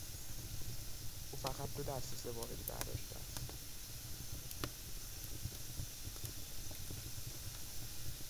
او فقط دو درس سه واحدی برداشته است.